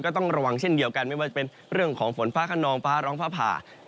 ต้องระวังเช่นเดียวกันไม่ว่าจะเป็นเรื่องของฝนฟ้าขนองฟ้าร้องฟ้าผ่า